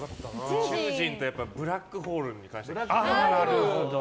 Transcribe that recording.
宇宙人とブラックホール聞きたい。